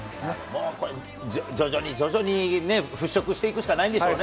もうこれ、徐々に徐々に払拭していくしかないんでしょうね。